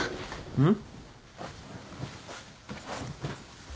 うん？